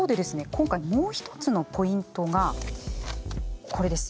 今回もう一つのポイントがこれです。